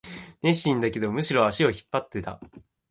熱心だけど、むしろ足を引っ張ってた